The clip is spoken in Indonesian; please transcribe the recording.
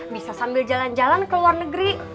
bisa sambil jalan jalan ke luar negeri